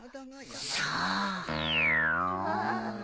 さあ。